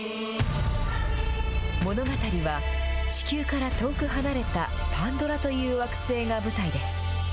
物語は、地球から遠く離れた、パンドラという惑星が舞台です。